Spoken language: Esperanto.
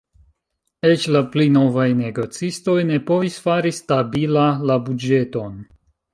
Eĉ la pli novaj negocistoj ne povis fari stabila la buĝeton.